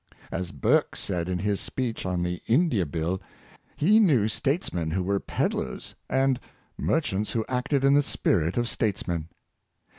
As Burke said in his speech on the India Bill, he knew statesmen who were peddlers, and merchants who acted in the spirit of statesmen.